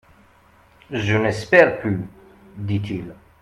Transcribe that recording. Je n'espère plus, dit-il.